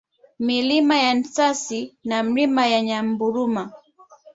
Milima ya Nsasi na Milima ya Nyaburuma